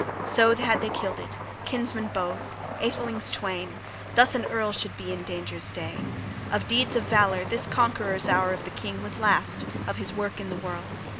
So had they killed it, kinsmen both, athelings twain: thus an earl should be in danger's day! Of deeds of valor this conqueror's hour of the king was last, of his work in the world.